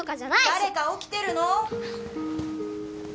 誰か起きてるの？